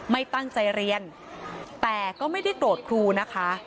ไม่ตั้งใจเรียนแต่ก็ไม่ได้โกรธครูนะคะ